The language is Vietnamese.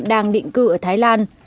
đang định cư ở thái lan